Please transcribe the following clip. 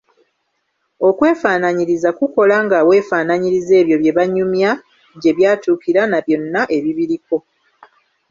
Okwefaanaanyiriza kukola nga weefaanaanyiriza ebyo bye banyumya gye byatuukira na byonna ebibiriko.